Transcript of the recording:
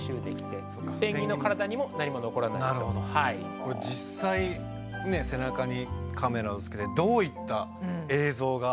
これ実際ね背中にカメラをつけてどういった映像が撮れるんでしょうか。